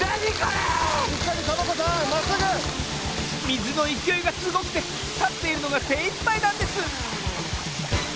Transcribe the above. みずのいきおいがすごくてたっているのがせいいっぱいなんです。